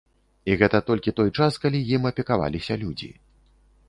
І гэта толькі той час, калі ім апекаваліся людзі.